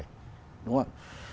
đúng không ạ